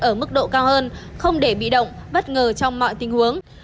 ở mức độ cao hơn không để bị động bất ngờ trong mọi tình huống